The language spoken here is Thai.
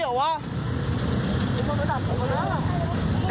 ก็แบบนี้เหรอวะ